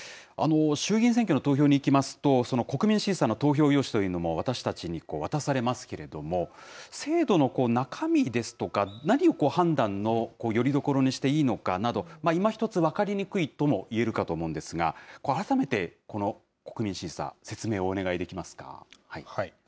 衆議院選挙の投票に行きますと、国民審査の投票用紙というのも、私たちに渡されますけれども、制度の中身ですとか、何を判断のよりどころにしていいのかなど、いまひとつ分かりにくいともいえるかと思うんですが、改めてこの国民審査、説明をお願いできますか。